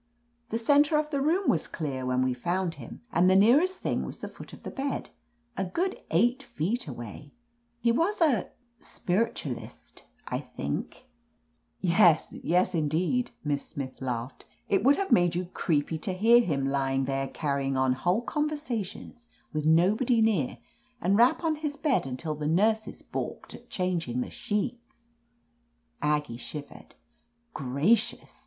The center of the room was clear when we found him, and the nearest thing was the foot of the bed, a good eight feet away." "He was a — Spiritualist, I think?" 39 r THE AMAZING ADVENTURES "Yes — yes, indeed," Miss Smith laughed. *Tt would have made you creepy to hear him, lying there carrying on whole conversations with nobody near, and rap. :)n his bed until the nurses balked at changing the sheets !" Aggie shivered. "Gracious!"